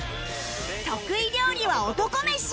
得意料理は男飯